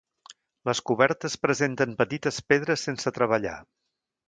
Les cobertes presenten petites pedres sense treballar.